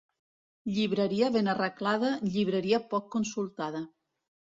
Llibreria ben arreglada, llibreria poc consultada.